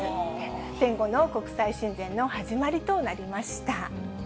戦後の国際親善の始まりとなりました。